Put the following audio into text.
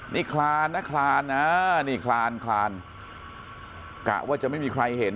นี่คลานนะคลานนะนี่คลานคลานกะว่าจะไม่มีใครเห็น